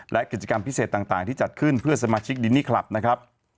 และกิจกรรมพิเศษต่างที่จัดขึ้นเพื่อสมาชิกดินนี่คลับนะครับ